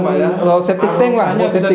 bau septic tank lah